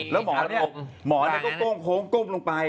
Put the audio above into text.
แล้วหมอเนี่ยหมอเนี่ยก็โค้งโค้งกุ้มลงไป